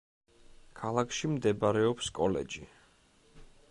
ქალაქში მდებარეობს კოლეჯი.